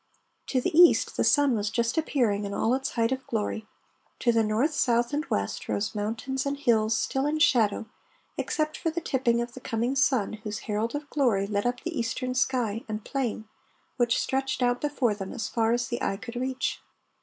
To the east the sun was just appearing in all its height of glory. To the north, south, and west, rose mountains and hills still in shadow, except for the tipping of the coming sun whose herald of glory lit up the eastern sky and plain which stretched out before them as far as the eye could reach.